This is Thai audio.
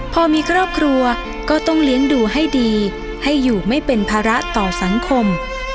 พอมีครอบครัวก็ต้องเลี้ยงดูให้ดีให้อยู่ไม่เป็นภาระต่อสังคม